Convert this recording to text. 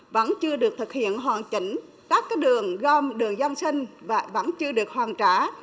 vẫn chưa được thực hiện hoàn chỉnh các đường gom đường dân sinh vẫn chưa được hoàn trả